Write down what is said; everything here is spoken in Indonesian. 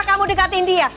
kamu deketin dia